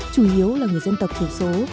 chủ yếu là người dân tộc thuộc số